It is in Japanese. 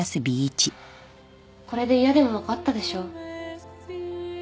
これで嫌でも分かったでしょ？